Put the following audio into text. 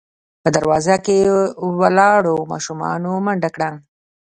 په دروازه کې ولاړو ماشومانو منډه کړه.